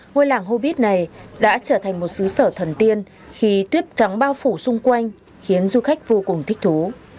ngôi làng hobit này đã trở thành một sứ sở thần tiên khi tuyết trắng bao phủ xung quanh khiến du khách vô cùng thích thú